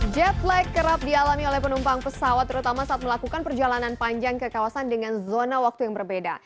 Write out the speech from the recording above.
jet lake kerap dialami oleh penumpang pesawat terutama saat melakukan perjalanan panjang ke kawasan dengan zona waktu yang berbeda